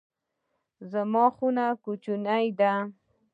زما خونه کوچنۍ ده